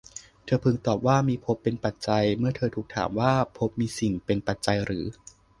เธอพึงตอบว่า มีภพเป็นปัจจัย เมื่อเธอถูกถามว่า ภพมีสิ่งเป็นปัจจัยหรือ